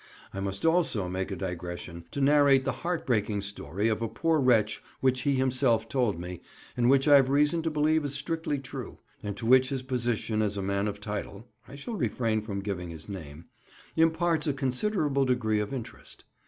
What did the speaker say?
I must also make a digression to narrate the heart breaking story of a poor wretch which he himself told me, and which I've reason to believe is strictly true, and to which his position as a man of title—I shall refrain from giving his name—imparts a considerable degree of interest.